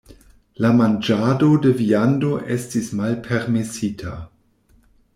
La manĝado de viando estis malpermesita.